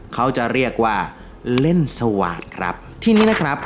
เขาจะเรียกว่าเล่นสวาสตร์ครับที่นี้นะครับ